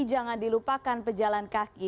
jangan dilupakan pejalan kaki